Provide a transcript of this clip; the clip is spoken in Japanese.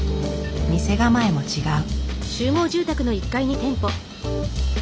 店構えも違う。